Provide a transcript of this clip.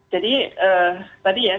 jadi tadi ya